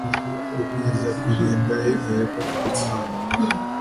Rugwizakurinda yamenye ko afite umwana